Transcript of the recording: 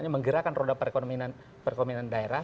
menggerakkan roda perekonomian daerah